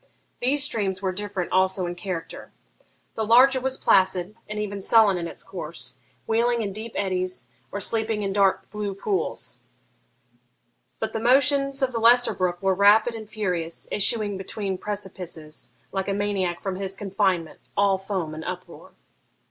These streams were different also in character. The larger was placid, and even sullen in its course, wheeling in deep eddies, or sleeping in dark blue pools; but the motions of the lesser brook were rapid and furious, issuing from between precipices, like a maniac from his confinement, all foam and uproar.